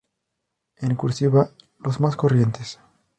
En "cursiva", los más corrientes.